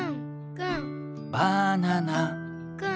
「バナナ！」